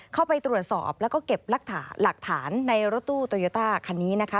เข้าไปตรวจสอบแล้วก็เก็บหลักฐานในรถตู้โตโยต้าคันนี้นะคะ